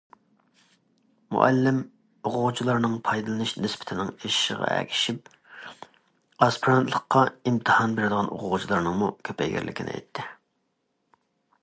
مۇئەللىم، ئوقۇغۇچىلارنىڭ پايدىلىنىش نىسبىتىنىڭ ئېشىشىغا ئەگىشىپ، ئاسپىرانتلىققا ئىمتىھان بېرىدىغان ئوقۇغۇچىلارنىڭمۇ كۆپەيگەنلىكىنى ئېيتتى.